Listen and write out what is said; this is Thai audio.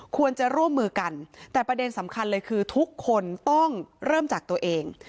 ควรจะร่วมมือกันแต่ประเด็นสำคัญเลยคือทุกคนต้องเริ่มจากตัวเอง